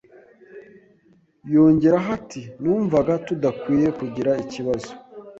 Yongeraho ati Numvaga tudakwiye kugira ikibazo